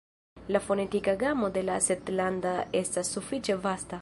La fonetika gamo de la ŝetlanda estas sufiĉe vasta.